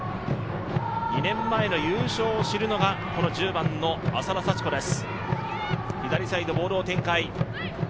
２年前の優勝を知るのが、この１０番の浅田幸子です。